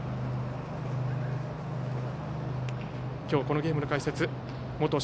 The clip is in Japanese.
今日、このゲームの解説元